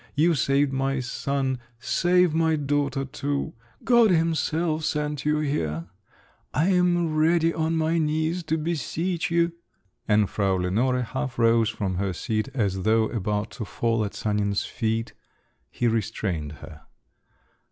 You saved my son—save my daughter too! God Himself sent you here … I am ready on my knees to beseech you…." And Frau Lenore half rose from her seat as though about to fall at Sanin's feet…. He restrained her.